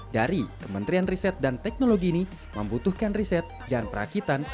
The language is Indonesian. dari kementerian riset dan teknologi ini membutuhkan riset dan perakitan